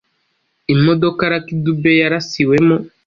Imodoka Lucky Dube yarasiwemo